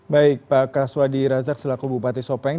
baik pak kaswadi razak selaku bupati sopeng